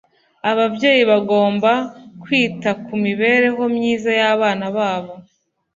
ababyeyi bagomba kwita ku mibereho myiza yabana babo